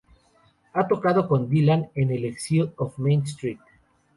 Ha tocado con Dylan, en el Exile on Main St.